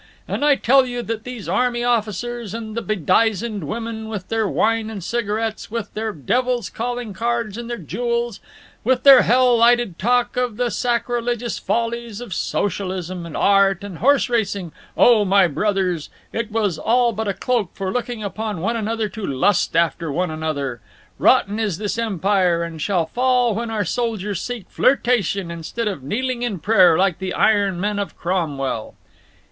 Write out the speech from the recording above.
And I tell you that these army officers and the bedizened women, with their wine and cigarettes, with their devil's calling cards and their jewels, with their hell lighted talk of the sacrilegious follies of socialism and art and horse racing, O my brothers, it was all but a cloak for looking upon one another to lust after one another. Rotten is this empire, and shall fall when our soldiers seek flirtation instead of kneeling in prayer like the iron men of Cromwell."